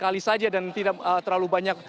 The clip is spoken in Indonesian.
kali saja dan tidak terlalu banyak